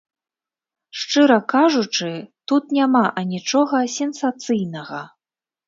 Шчыра кажучы, тут няма анічога сенсацыйнага.